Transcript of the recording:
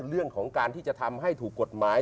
เรื่องของการที่จะทำให้ถูกกฎหมาย